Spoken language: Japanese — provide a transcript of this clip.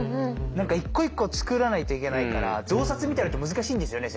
一個一個作らないといけないから増刷みたいのって難しいんですよね？